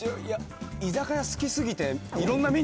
居酒屋好き過ぎて。